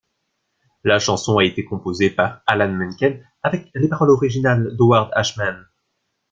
La chanson a été composée par Alan Menken avec les paroles originales d'Howard Ashman.